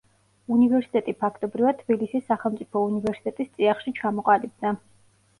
უნივერსიტეტი ფაქტობრივად თბილისის სახელმწიფო უნივერსიტეტის წიაღში ჩამოყალიბდა.